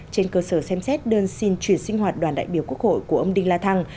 trên cơ sở xem xét đơn xin chuyển sinh hoạt đoàn đại biểu quốc hội của ông đinh la thăng